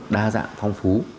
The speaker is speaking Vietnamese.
đa dạng phong phú